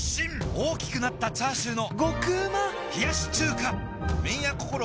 大きくなったチャーシューの麺屋こころ